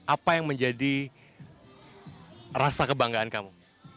apa yang menjadi rasa kebanggaan kamu